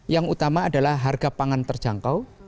yang utama adalah harga pangan terjangkau